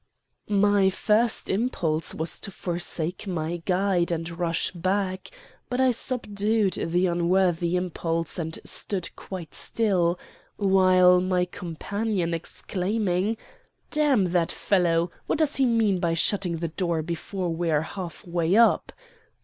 "My first impulse was to forsake my guide and rush back, but I subdued the unworthy impulse and stood quite still, while my companion exclaiming, 'Damn that fellow! What does he mean by shutting the door before we're half way up!